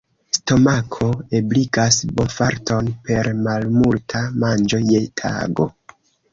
Stomako ebligas bonfarton per malmulta manĝo je tago.